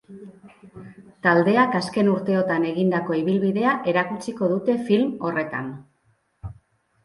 Taldeak azken urteotan egindako ibilbidea erakutsiko dute film horretan.